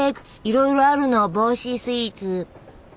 いろいろあるの帽子スイーツ。